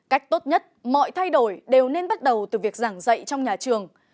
cách tốt nhất mọi thay đổi đều nên bắt đầu từ việc giảng dạy trong nhà trường